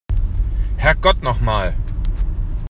Herrgott noch mal!